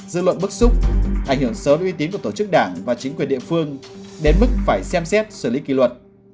dư luận bức xúc ảnh hưởng xấu uy tín của tổ chức đảng và chính quyền địa phương đến mức phải xem xét xử lý kỳ luật